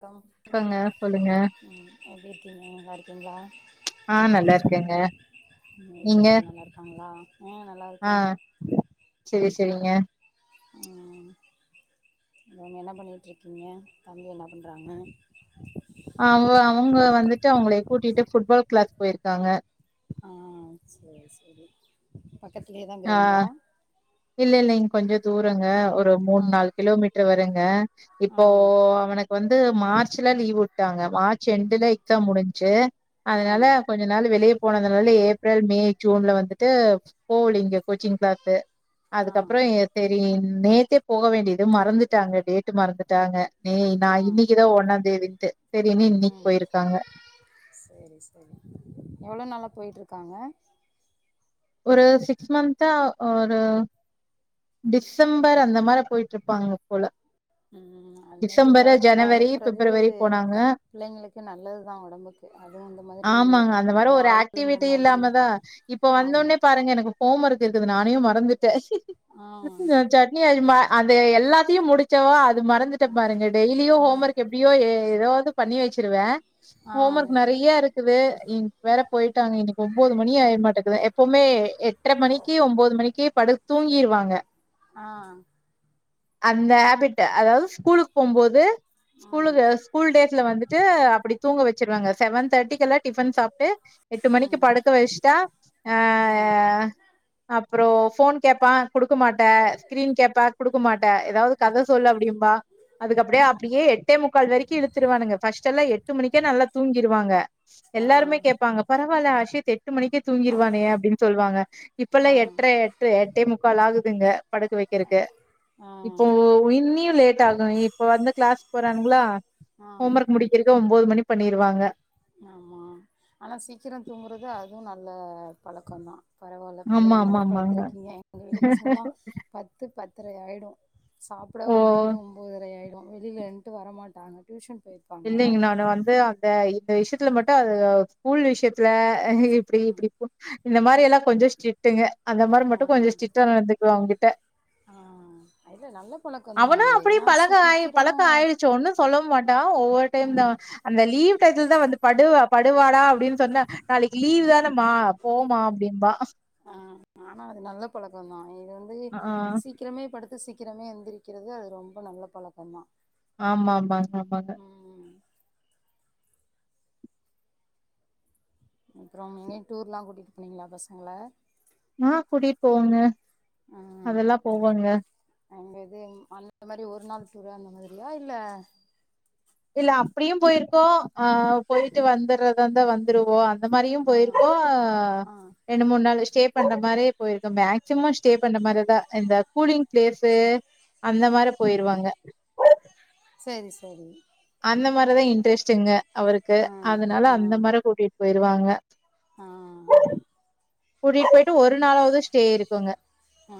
அப்றம் க்கங்க சொல்லுங்க ம் எப்டி இருக்கீங்க நல்லாருக்கீங்ளா ஆ நல்லா இருக்கேங்க வீட்ல நீங்க எல்லா நல்லா இருக்காங்களா அ ஆ நல்லாருக்கே செரி செரிங்க ம் நீங்க என்ன பண்ணிட்டு இருக்கீங்க தம்பி என்ன பண்றாங்க அவங்க அவங்க வந்துட்டு அவங்கள கூட்டிட்டு ஃபுட்பால் கிளாஸ் போயிருக்காங்க ஆ் சரி சரி பக்கத்லயேவா ஆ இல்லல்ல இல்லைங்க கொஞ்சோ தூரங்க ஒரு மூணு ஆ நாலு கிலோமீட்டர் வருங்க ஆ இப்போ அவனக் வந்து மார்ச்ல லீவ் உட்டாங்க மார்ச் எண்டுல எக்ஸாம் முடிஞ்ச்சு ஆ அதனால கொஞ்சோ கொஞ்சோ நாள் வெளிய போனதுனால ஏப்ரல் மே ஜூன்ல வந்துட்டு போகலிங்க கோச்சிங் கிளாத்து ஆ அதுக்கப்பற எ சரி நேத்தே போக வேண்டியது மறந்துட்டாங்க டேட்டு மறந்துட்டாங்க நே நா ஆ இன்னைக்கு இதோ ஒன்னா தேதின்ட்டு செரின்னு இன்னைக்கு போயிருக்காங்க செரி செரி எவ்ளோ நாளா போய்ட்டுருக்காங்க ஒரு சிக்ஸ் மந்த்தா ஒரு டிசம்பர் அந்த மாரி போயிட்டு இருப்பாங்க போல ம் அது மாரி டிசம்பரு விளாட்டுல ஜனவரி அனுப்புறது பிப்ரவரி போனாங்க புள்ளைங்களுக்கு நல்லது தா உடம்புக்கு அதுவு இந்த மாரி ஆமாங்க அந்த மாரி ஒரு பால் இந்த ஆக்டிவிட்டி மா இல்லாமதா இப் இப்ப வந்தோனே பாருங்க எனக்கு ஹோ மருக்கு இருக்குது நானே மறந்துட்ட ஆ நா சட் னி அது மா அந்த எல்லாத்தையு முடிச்சவோ அது மறந்துட்ட பாருங்க டெய்லியு ஆ ஹோம் ஒர்க் எப் எப்டியோ எதாவது பண்ணி வச்சிருவ ஆ ஹோம் ஒர்க் நெறய இருக் ட்டுவே இன்க் வேற போயிட்டாங்க இன்னக்கி ஒன்பது மணி ஆயுரு மாட்டேக்குது எப்பவுமே எட்ற மணிக்கு ஒன்பது மணிக்கு படு தூங்கிருவாங்க ஆ அந்த ஹேபிட் அதாவது ஸ்கூலுக்கு போம்போது ஆ ஸ்கூலுகு ஸ்கூல் டேஸ்ல வந்துட்டு அப்டி தூங்க வச்சிருவாங்க செவன் தேர்ட்டிக்கு எல்லா டிஃபன் சாப்ட்டு எட்டு மணிக்கு ம் படுக்க வச்ட்டா ம் அ அப்புறோ ஃபோன் கேப்பா குடுக்க மாட்டே ஸ்கிரீன் கேப்பா குடுக்க மாட்டே ஏதாவ்து கத சொல்லு அப்டிம்பா அதுக்கப்டியே அப்டியே எட்டே முக்கால் வெரக்கி இழுத்துருவானுங்க ஃபர்ஸ்டெல்லா எட்டு மணிக்கே நல்லா தூங்கிருவாங்க ஆ எல்லாருமே கேட்பாங்க பரவால்ல அஷித் எட்டு மணிக்கே தூங்கி மே அப்டின் சொல்வாங்க இப்பல்லா ஆ எட்ர எட்டு எட்டே முக்கால் ஆகுதுங்க படுக்க வைக்கிறக்கு ஆ இப்போ இன்னியு லேட் ஆகு இப்ப வந்து கிளாஸ் போறானுங்ளா ஆ ஹோம் ஒர்க் முடிக் இருக்க ஒம்போது மணி பண்ணிருவாங்க ஆமா ஆனா சீக்கிரோ தூங்குறது அதுவு நல்ல பழக்கந்தா பரவால்ல பிள்ளைய ஆமா அந்த ஆமா அளவுக்கு ஆமாங்க வளத்துருக்கீங்க எங்க வீட்டு பசங்கலா பத்து பத்தரை ஆய்டு சாப்ட ஓ ஒம்போது ஒம்போதரை ஆய்டு டு வெளிலன்ட்டு வரமாட்டாங்க டியூஷன் போய் இல்லிங்க நானு வந்து அந்த இந்த விஷ்யத்துல மட்டு அது ஸ்கூல் விஷ்யத்துல அ ஹ இப்டி இப்டி போ இந்த மாரி எல்லா கொஞ்சோ ஸ்ட்டிடுங்க அந்த மாரி ஆ மட்டு கொஞ்சோ ஸ்ட்டிடா நடந்துக்குவ அவங்கிட்ட ஆ இல்ல நல்ல பழக்கந்தா அவனு அது அப்டி ஏன்னா பழக ஆய் சீக்கிரோ பழக்கொ ஆயிடுச்சி ஒன்னு சொல்லவு மாட்டா ஓ ஓவ்வொரு டைம் தா ம் அந்த லீவ் டைத்துல தா வந்து படுவா படுவாடா அப்டின் சொன்னா நாளக்கி லீவ் தானம்மா போமா அப்டிம்பா ஆ ஆனா அது நல்ல பழக்கோந்தா இது வந்து ஆ சீக்கிரமே படுத் த்து சீக்கிரமே எந்திரிக்கிறது அது ரொம்ப நல்ல பழக்கோ தா ஆமாமாங்க ஆமாங்க அப்றோம் எங்கயு டூர்லா கூட்டிட்டு போனீங்ளா பசங்கள ஆ கூட்டிட் போவங்க ம் அதெல்லா போவோங்க அங்க இது ம் அந்த மாரி ஒரு நாள் டூரு அந்த மாதிரியா இல்ல இல்ல அப்டியு போயிருக்கோ ஆ போயிட்டு வந்துறதாந்தா வந்துருவோ அந்த மாரியு ஆ போயிருக்கோ ஆ ரெண்டு மூண் நாளு ஸ்டே பண்ற மாரியே போயிருக்கோ மேக்சிமொ ஸ்டே பண்ற மாரிதா இந்த கூலிங் பிளேஸ்ஸு அந்த மாரி போயிருவங்க செரி செரி அந்த மாரிதா இன்ட்ரெஸ்ட்டுங்க அவுருக்கு ஆ அதனால ஆ அந்த மாரி கூட்டிட்போயிருவாங்க ஆ கூட்டிட் போயிட்டு ஒரு நாளாவ்து ஸ்டே இருக்குங்க ஆ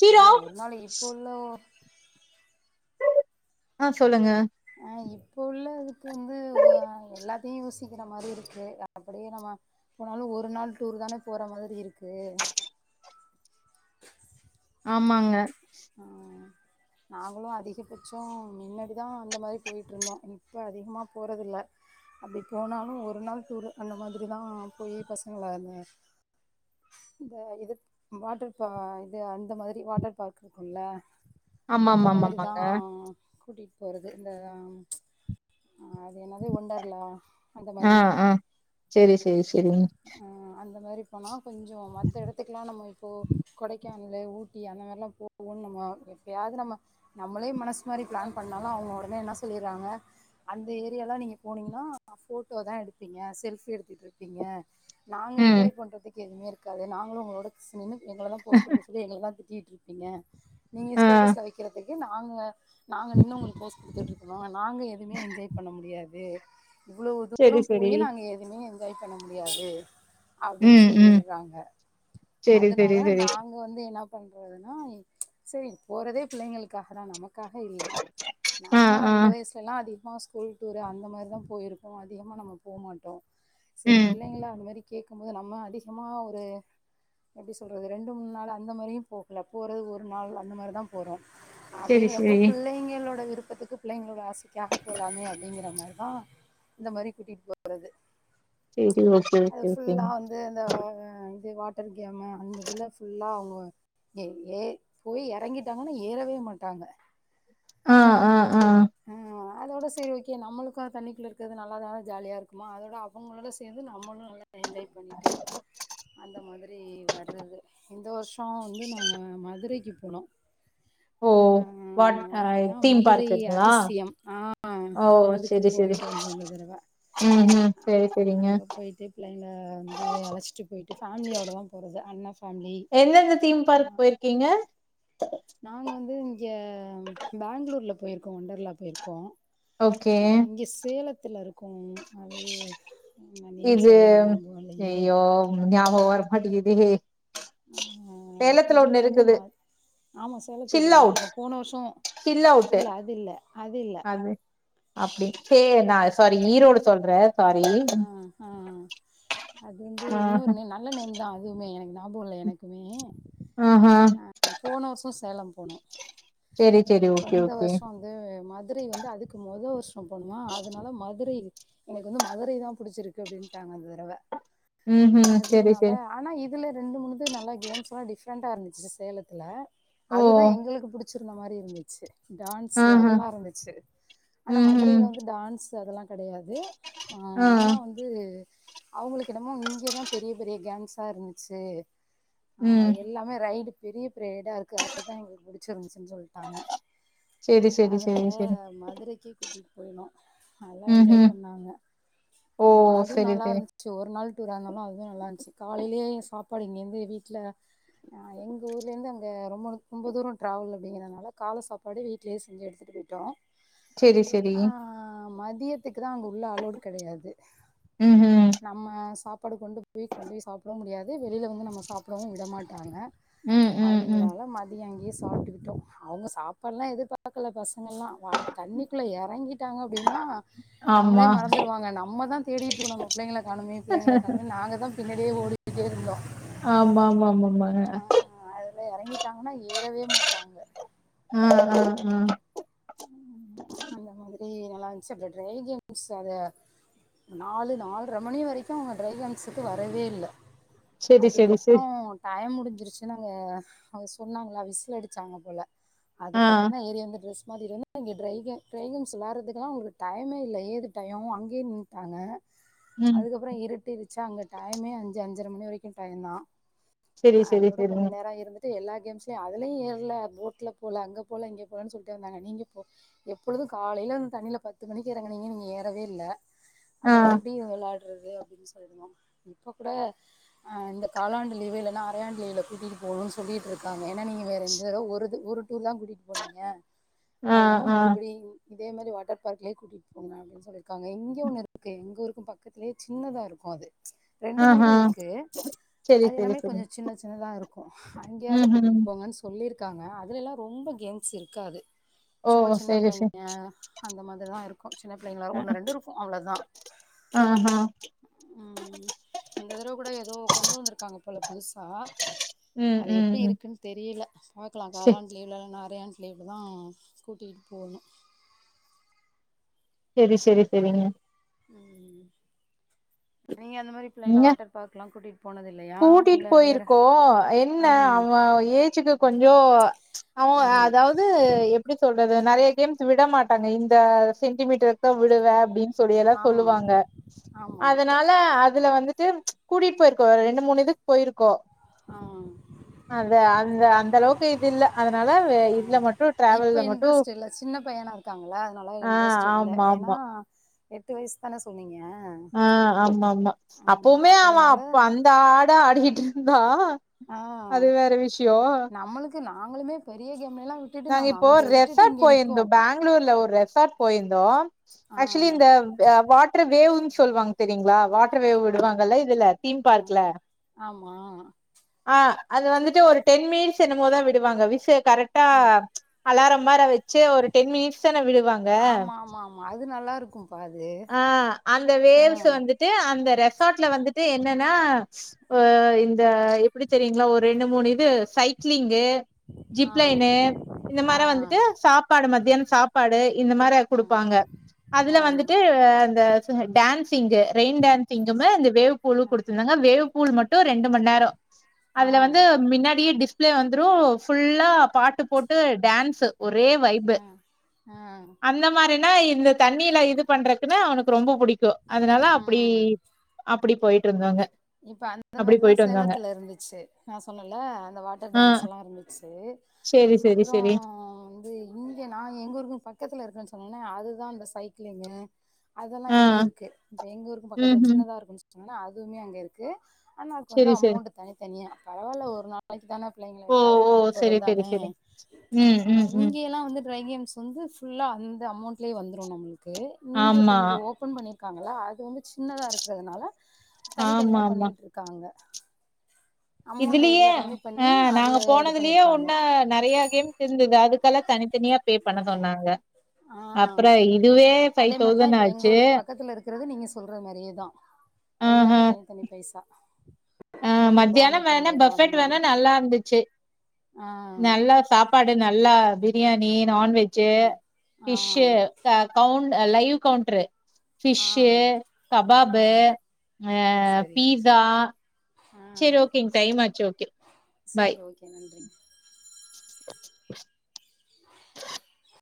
சீரோ ஆமா ஒரு நாளு இப்போள்ளோ ஆ சொல்லுங்க ஆ இப்போ உள்ள இதுக்கு வந்து ஓ அ எல்லாத்தையு யோசிக்கிற மாரி இருக்கு அப்படியே நம போனாலு ஒரு நாள் டூர் தான போற மாதிரி இருக்கு ஆமாங்க ஆ நாங்களு அதிகபட்சொ மின்னடி தா அந்த மாரி போயிட்டுருந்தோ இப்போ அதிகமாக போறதில்ல அப்டி போனாலு ஒரு நாள் டூரு அந்த மாதிரிதான் போய் பசங்களந்த இந்த இது வாட்டர் பா இது அந்த மாரி வாட்டர் பார்க் இருக்குல்ல ஆமா அந்த ஆமா ஆமா மாதிரி ஆமாங்க தான் கூட்டிட் போறது இந்த ஆ அது என்னது ஒண்டர்லா அந்த ஆ மாதிரி ஆ செரி செரி செரிங்க ம் அந்த மாரி போனா கொஞ்சோ மத்த எடத்துக்லா நம்மொ இப்போ கொடைக் கான்லு, ஊட்டி அந்த மாரில்லா [inaudible] நம்ம எப்பயாது நம்ம நம்மளே மனசு மாரி பிளான் பண்ணாலு அவுங்க உடனே என்ன சொல்லிறாங்க அந்த ஏரியால்லா நீங்க போனீங்கனா ஃபோட்டோதா எடுப்பீங்க செல்ஃபி எடுத்துட்ருப்பீங்க. நாங்க ம் என்ஜாய் பண்றதுக்கு எதுமே இருக்காது நாங்குளு உங்களோட க்ஸ் நின்னு எங்களதா போஸ் குடுக்க சொல்லி எங்களதா திட்டிட்ரு பிங்க நீங்க ஆ ஸ்டேட்டஸ்ல வெக்கறதுக்கு நாங்க நாங்க நின்னு உங்குளு ஃபோஸ் குடுத்துட்ருக்குனு நாங்க துமே என்ஜாய் பண்ண முடியாது இவ்ளவு தூரோ செரி போயு செரி நா எதுமே என்ஜாய் பண்ண முடியாது. அப்டின் ம் ம் சொல்லிருறாங்க. செரி செரி அதுனால செரி நாங் க வந்து என்ன பண்றதுனாம் செரி போறதே பிள்ளைங்களுக்காகதா நமக்காக இல்ல. ஆ நம்ம ஆ அந்த வய்ஸ் எல்லா அதிகமா ஸ்கூல் டூரு அந்த மாரிதா போயிருப்போ அதிகமா நம்ம போமாட்டோ. செரி ம் பிள்ளைங்ளா அந்த மாரி கேக்கும் போது நம்ம அதிகமா ஒரு எப்டி சொல்றது ரெண்டு மூண் நாள் அந்த மாரியு போகல போறது ஒரு நாள் அந்த மாரிதாப் போறோ செரி அப்டிங்கிறப்போ செரி பிள்ளைங்களோட விருப்பத்துக்கு பிள்ளைங்களோட ஆசை காக போலாமே அப்டிங்கிற மாரிதா இந்த மாரி கூட்டிட் போறது. சேரி ஓகே ஓகே ஓகேங். இது அந்த வ இது வாட்டர் கேமு அந்த இதுல ஃபுல்லா அவுங்க எ ஏ போய் எறங்கிட்டாங்கன்னா ஏறவே மாட்டாங்க. அ அ அ. அ அதோட சேரி ஓகே நம்மளுக்கு அ தண்ணிக்குள்ள இருக்கறது நல்லாதான ஜாலியா இருக்குமா அதோட அவுங்களுட சேந்து நம்மளு நல்லா என்ஜாய் பண்ணிட்டு அந்த மாதிரி வரது. இந்த வர்ஷோ வந்து நாங்க மதுரைக்கி போனோ. ஓ வாட் அ தீம் பார்க்குக்ங்ளா? டிஸ்யம் ஆ அதுக்கு செரி செரி போயிட்டு வந்தோ இந்த தடவ. ம் ம் அ செரி செரிங்க அங்க போய்ட்டு பிள்ளைங்ல வந்து அழைச்ட்டு போய்ட்டு ஃபேமிலியோடதா போறது அண்ண ஃப் எந்தெந்த தீம் பார்க் போய்ர்கீங்க? நாங்க வந்து இங்க பேங்ளூர்ல போய்ர்க்கோ ஒண்டர்லா போய்ர்க்கோ. ஓகே அ இங்க சேலத்துல இருக்கு ஒன்னு அது என்ன நேம் இது சரியா எனக்கு ஞாபகோ இல்லையே அய்யோ ம் ஞாபகொ வர மாட்டிகிதே. ஆ இதுல வந்து மால் ஆமா சில் சேலத்துக்கு அவுட் வந்துருக்கோ போன வர்ஷோ சில் அவுட்டு இல்ல அது இல்ல அது இல்ல. அது அப்டி சே நா சாரி ஈரோடு சொல்றே சாரி. ம்ஹு அது வந்து ஆ இன்னொரு நேம் நல்ல நேம்தா அதுவுமே எனக்னா நாபோ இல்ல எனக்குமே ஆஹா அ போன வர்ஷோ சேலம் போனோ. சேரி சேரி வ ஓகே இந்த ஓகே வர்ஷோ வந்து மதுரை வந்து அதுக்கு மொதோ வர்ஷ் ம் போனமா அதுனால மதுரை எனக்கு வந்து மதுரைதா புடிச்சிருக்கு அப்டின்ட்டாங்க இந்த தடவ. ம் ம் சேரி அதுனால சேரி ஆனா இ துல ரெண்டு மூணு இது நல்லா கேம்ஸ்லா இருந்துச்சு ச சேலத்துல ஓ அதுதா எங்களுக்கு புடி ச்சுருந்த மாரி இருந்துச்சு. டான்ஸு ஆஹா அதல்லா இருந்துச்சு ஆனா ம் ம் மதுரைல வந்து டான்ஸு அதல்லா கெடையாது. ஆ ஆனா வந்து அவுங்களுக்கு என்னமோ இங்கதா பெரிய பெரிய கேங்ஸா இருந்துச்சு ஆ ம் எல்லாமே ரைடு பெரிய பெரிய ரைடாருக்கு அதுதா எங்களுக்கு புடிச்சிருந்ச்சுன் சொல்ட்டாங்க. சேரி சேரி அதனால சேரி சேரி மதுரக்கே கூட்டிட்டு போய்னோ நல்லா ம் என்ஜாய் ம் பண்ணாங்க ஓ ம் ஆ அது செரி நல்லா செரி இருந் ச்சு ஒரு நாள் டூர் ஆ இருந்தாலு அதுவு நல்லா இருந்ச்சு காலையிலயே சாப்பாடு இங்கேந்து வீட்ல ஆ எங்க ஊர்லேந்து அங்க ரொம்ப ரொம்ப தூரோ ட்ராவல் அப்டிங்கிறனால கால சாப்பாடு வீட்லயே செஞ்ச எடுத்துட்டு போயிட்டோ செரி செரி ஆ மதியத்துக்கு தா அங்க உள்ள அலோடு கெடையாது ம் ம் ந ம்ம சாப்பாடு கொண்டு போய் கொண்டு போய் சாப்டவு முடியாது வெளியில வந்து நம்ம சாப்டவு விட மாட்டாங்க ம் ம் ம் அப்டிங்கிறால மதிய அங்கியே சாப்ட்டுக்கிட்டோ அவுங்க சாப்பாடுல்லா எதுர் பாக்கல பசங்கயெல்லா வா தண்ணிக்குள்ள இறங்கிட்டாங்க அப்டின்னா நம்மளே ஆமா மற ந்துருவங்க நம்ம தா தேடிகிட்ருக்கோனு நம்ம புள்ளகள காணமே புள்ளங்கள காணமே நாங்க தா பின்னடியே ஓடிக்கிட்டேருந்தோ ஆமா ஆமா ஆமா ஆமாங்க ஆ இதுல எறங்கிட்டாங்கன்னா ஏறவே மாட்டாங்க ம் ம் ம் ம் ஆ அந்த மாதரி நல்லா இருந்துச்சு அப்றோ ட்ரை கேம்ஸ் அத நாலு நால்ர மணி வரைக்கி அவுங்க ட்ரை கேம்ஸ் உட்டுவரவே இல்ல செரி செரி அதுக்கப்புறோ செரி டைய முடிஞ்சிருச்சுன்ன அங்க அவுங்க சொன்னாங்களா விசில் அடிச்சாங்க போல ஆ அதுக்கப்றோ தா ஏரி வந்து டிரெஸ் மாதிரி வந்து இது வந்து இங்கே ட்ரைகேம் ட்ரைகேம்ஸ்ஸு விள்ளாடுரத்துக்குலா உங்களுக்கு டைமே இல்ல ஏது டைம் அங்கேயே நின்ட்டாங்க ம் அதுக்கப்றோ இருட்டு இருச்சா அங்க டைமே அஞ்சு அஞ்சர மணி வரைக்கு டைம் தா செரி செரி அதோட செரிங்க கொஞ்சோ நேரோ இருந்து ட்டு எல்லா கேம்ஸ்லையு அதுலயு ஏற்ல போட்டுல போல அங்க போல இங்க போலன்னு சொல் லட்டே வந்தாங்க நீங்க போ எப்பொழுது காலையில வந்து தண்ணியில பத்து மணிக்கு எறங்க நீங்க நீங்க ஏறவே இல்ல ஆ அப்ப எப்டி இது விள்ளாடுறது அப்டின்னு சொல்ருந்தோ இப்ப கூட ஆ இந்த காலாண்டு லீவு இல்லன்னா அரையாண்டு லீவுல கூட்டிகிட்டு போகணுன்னு சொல்லிட்ருக் ஏன்னா நீங்க வேற இந்ததரவா ஒருது ஒரு டூர் தா கூட்டிட்டு போனீங்க ஆ அதனால ஆ மறுபுடி இதே மெரி வாட்டர் பார்க்லியே கூட்டிட்டு போங்க அப்டின் சொல்லிருக்காங்க இங்கே ஒன்னு இருக்கு எங் ஊர்க்கு பக்கத்து லியே சின்னதா இருக்கு அது ரெண்டு ஆஹா மூணுது இருக்கு செரி அது செரி எல்லாமே செரி கொஞ்சோ சின்ன சின்னதா இருக்கு அங்கியாவது ம் ம் கூட்டிட்டு போங்கன்னு சொல்லிருக்காங்க அதுல எல்லா ரொம்ப கேம்ஸ் இருக்காது ஓ சும்மா சின்ன செரி செரி பிள்ளைங்க அந்த மாதிரிதா இருக்கு சின்ன புள்ளைங்களா ஒண்ணு ரெண்டு இருக்கு அவ்ளோதா ஆ ஹம் ம் இந்த தடவ கூட ஏதோ கொண்டு வந்திருக்காங்க போல புதுசா ம் ம் ம் தெரியில பாக்கலா செ காலாண்ட லீவுலா இல்லனா அறையாண்ட் லீவ்லா தா கூட்டிகிட்டு போணு செரி செரி செரிங்க ம் நீங்க அந்த மாரி புள்ளைங்க நீங்க வாட்டர் பார்க்குலா கூட்டிட்டு போனது இல்லையா கூட்டிட்டு இல்ல வேற போயிருக்கோ என்ன ம் அவ ஏஜுக்கு கொஞ்சோ [unintelligible] ஆமா அதாவ்து எப்டி சொல்றது நெறைய கேம்ஸ்ஸு விட மாட்டாங்க இந்த சென்டிமீட்டருக்கு தா விடுவே அப்டின் சொல்லியெல்லா ஆமா சொல்லுவாங்க ஆமா அதனா ல அதுல வந்துட்டு கூட்டிட்டு போயிருக்கோ ஒரு ரெண்டு மூணு இதுக்கு போய்ருக்கோ ஆமாங் அது அந்த அந்த அளவு க்கு இது இல்ல அதனால வே இதுல மட்டு இப்ப ட்ராவல்ல மட்டு நல்லா ஆ இன்ட்ரெஸ்ட் இல்ல ஆமா ஏனா ஆமா எட்டு வயசு இப்ப என்ன சொன்னீங்க ஆ ஆமாமா ஆமா அப்புமே அவன் அதனால அப்ப அந்த ஆடு ஆடிக்கிட்டு இருந்தான் அது வேற விஷ்யோ க்கு நாங்ளுமே பெரிய கேம்ள எல்லா வி நாங்க இப்போ ரெசார்ட் போய்ருந்தோ பேங் களூர்ல ஒரு ரெசார்ட் போயிந்தோ ஆ ஆக்சுலி இந்த வாட் டர் வேவுன்னு சொல்லுவாங்க தெரியுங்ளா வாட் வாட்டர் வேவ் ஆ விடுவாங்கல்ல இதுல தீம் ஆ பார்க்ல ஆமா ஆ அது வந்துட்டு ஒரு டென் மினிட்ஸ் என்னுமோதா விடுவாங்க விஷ்ய கரெக்ட் ஆ அலாரம் மார வெச்சு ஒரு டென் மினிட்ஸ்தான விடுவாங்க ஆமாமாமா அது நல்லா இருக்கும்பா அது ஆ அந்த ஆ வேவ்ஸ் வந்து ட்டு அந்த ரெசார்ட்ல வந்துட்டு என்னனா ஒ இந்த எப்டி தெரியுங்ளா ஒரு ரெண்டு மூணு இது சைக்ளிங்கு, ஆ ஜிப்லைனு இந்த ஆ மார வந்துட்டு சாப்பாடு மத்தியானோ சாப்பாடு இந்த மார ஆ குடுப்பாங்க அதுல ஆ வந் வந்துட்டு அந்த டான்சிங்க் ரெயின் டான்சிங்குமு அந்த வேவ் பூலூ குடுத் தாங்க வேவ்பூல் மட்டு ரெண்டு மண் நேரோ ஆ அதுல வந்து மின்னாடியே டிஸ் ப்ளே வந்துரு ஃபுல்லா பாட்டு போட்டு டான்ஸ் ஒரே வைபு ஆ அந்த மாரினா இந்த தண்ணில இது பண்றக்குனா அவுனுக்கு ரொம்ப புடிக்கு அதனால ஆ அப்டி ம் அப்டி போயிட்டுருந்தோங்க இப்ப அந்த மாரிதா சேலத்துல இருந்துச்சு நா சொன்னல்ல அந்த வாட்டர் ஆ டான்ஸ்ல்லா இருந்துச்சு சேரி சேரி அப்றோ சேரி து லூவியா நா எங்க ஊருக்கும் பக்கத்துல இருக்கன்னு சொன்னனே அதுதா இந்த சைக்கிளிங்கு அதெல்லா ஆ இங்கய் இருக்கு இப்ப எங்க ஊருக்கும் ம் பக்கத்துல ம் சின்னதா இருக்குன்னு சொன்னல்ல அதுமே அங்க இரு க்கு ஆனா அதுக்கு வந்து சேரி சேரி அமௌண்ட் தனித்தனியா பரவால்ல ஒரு நா ளைக்குதான ஓ பிள்ளைங்களக்காது ஓ கூட்டிட்டு சரி சரி போறதுதானே சரி ம் ம் ம் இங்கில்லா வந்து ட்ரை அண் வந்து ஃபுல்லா அந்த அமௌண்ட்லயே வந்துரு நம்ள்க்கு இங்க இப்ப ஆமா இங்க ஓ ப்பன் பண்ணிருக்காங்கல்ல அது வந்து சின்னதா இருக்கிறதுனால ஆமா தனித்தனியா ஆமா பண்ணிட்டு இருக்காங்க அமௌண்ட் இதுலயே இதுல கம்மி பண்ணி அ நாங்க அதுல இது போனதுலயே பண்ணிருக்காங்க உன்ன நெறயா கேம் இருந்துது அதுக்கெல்லா தனித்தனியா பே பண்ண சொன்னாங்க ஆ அப்றோ இதுவே அதே ஃபைவ் மாரிதா தௌசண்ட் இப்ப எங்க ஆச்சு ஊருக்கு பக்கத்துல இருக்கிறது நீங்க சொல்ற மாரியேதா ஆஹ எல்லாமே தனித்தனி பைசா ஆ நூர்பா மத்தியானம் வேணா நூத்தம்பது ரூபா அந்த பஃபெட் வேணா மாதிரி நல்லா இருந்துச்சு ஆ நல்லா சாப்பாடு நல்லா பிரியாணி நான்வெஜ்ஜு ஆ ஃபிஷ்ஷு ஆ த கவுண்டு லைவ் கவுண்ட்ர் ஆ ஃபிஷ்ஷு, ஆ கபாபு, அது சரி பீஸா செரி ஓகேங் டைமாச்சு ஓகே பாய் சேரி ஓகே நன்றிங் ஆ